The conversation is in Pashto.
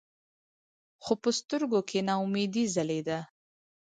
خو پۀ سترګو کښې ناامېدې ځلېده ـ